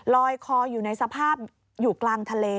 ลอยคออยู่ในสภาพอยู่กลางทะเล